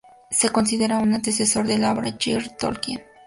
Se considera un antecesor de la obra de J. R. R. Tolkien.